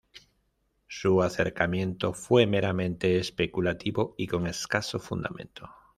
Su acercamiento fue meramente especulativo y con escaso fundamento.